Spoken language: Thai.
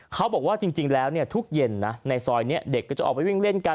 เขาบอกว่าจริงแล้วทุกเย็นนะในซอยนี้เด็กก็จะออกไปวิ่งเล่นกัน